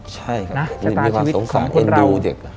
ใช่ครับมีความสงสารของคนดูเด็ก